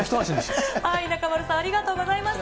中丸さん、ありがとうございました。